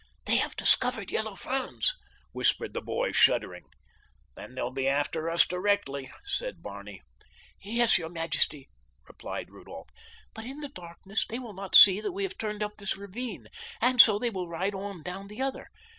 "They have discovered Yellow Franz," whispered the boy, shuddering. "Then they'll be after us directly," said Barney. "Yes, your majesty," replied Rudolph, "but in the darkness they will not see that we have turned up this ravine, and so they will ride on down the other.